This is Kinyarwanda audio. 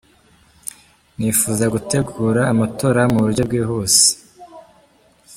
Nifuza gutegura amatora mu buryo bwihuse.